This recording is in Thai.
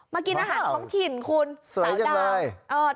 กินอาหารท้องถิ่นคุณสายดาว